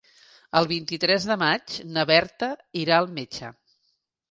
El vint-i-tres de maig na Berta irà al metge.